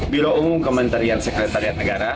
bila umum kementerian sekretariat negara